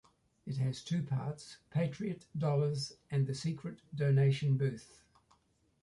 It has two parts: patriot dollars and the secret donation booth.